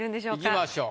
いきましょう。